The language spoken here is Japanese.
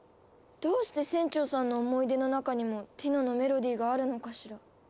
どうして船長さんの思い出の中にもティノのメロディーがあるのかしら？